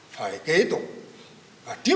phải có bảo vệ